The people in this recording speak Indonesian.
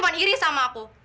kakak cuma iri sama aku